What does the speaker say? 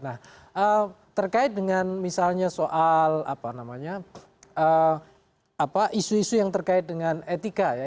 nah terkait dengan misalnya soal apa namanya isu isu yang terkait dengan etika ya